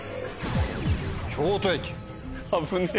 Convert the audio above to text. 京都駅。